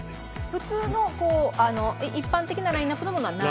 普通の一般的なラインナップなものはない？